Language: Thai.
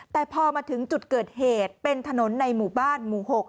แต่พอมาถึงจุดเกิดเหตุเป็นถนนในหมู่บ้านหมู่๖